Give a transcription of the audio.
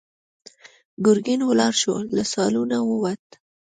ګرګين ولاړ شو، له سالونه ووت.